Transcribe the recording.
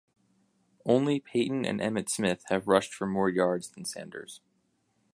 Only Payton and Emmitt Smith have rushed for more yards than Sanders.